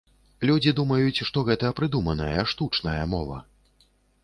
Людзі думаюць, што гэта прыдуманая, штучная мова.